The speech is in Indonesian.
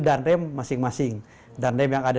danrem masing masing danrem yang ada